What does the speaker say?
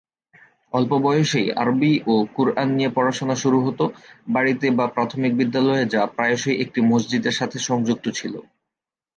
অল্প বয়সেই আরবি ও কুরআন নিয়ে পড়াশোনা শুরু হত, বাড়িতে বা প্রাথমিক বিদ্যালয়ে, যা প্রায়শই একটি মসজিদের সাথে সংযুক্ত ছিল।